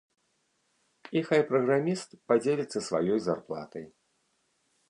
І хай праграміст падзеліцца сваёй зарплатай.